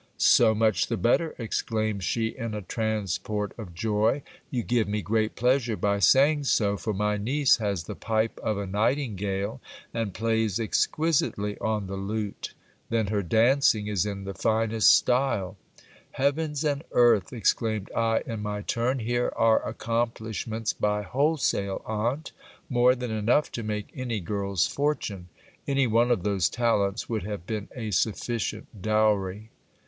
So much the better, exclaimed she in a transport of joy ; you give me great pleasure by say 3<H GIL BLAS. hag so ; for my niece has the pipe of a nightingale, and plays exquisitely on the lute : then her dancing is in the finest style ! Heavens and earth ! exclaimed I in my turn, here are accomplishments by wholesale, aunt ; more than enough to make any girl's fortune ! Any one of those talents would have been a suf ficient dowry.